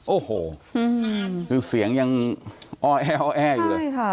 โอ้โหคือเสียงยังอ้อแออยู่เลย